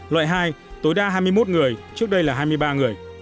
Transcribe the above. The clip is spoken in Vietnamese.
loại hai tối đa hai mươi một người trước đây là hai mươi ba người